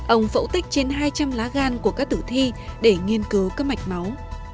ông phẫu tích trên hai trăm linh lá gan của các tử thi để nghiên cứu các mạch máu